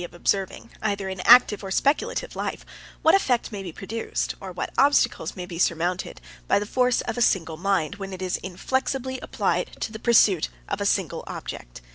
] We have seldom an opportunity of observing, either in active or speculative life, what effect may be produced, or what obstacles may be surmounted, by the force of a single mind, when it is inflexibly applied to the pursuit of a single object.